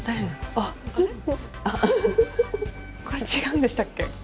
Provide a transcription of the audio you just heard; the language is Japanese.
あこれ違うんでしたっけ？